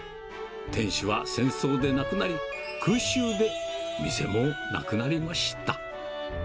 店主は戦争で亡くなり、空襲で店もなくなりました。